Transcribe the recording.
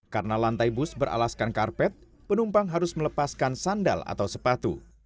karena lantai bus beralaskan karpet penumpang harus melepaskan sandal atau sepatu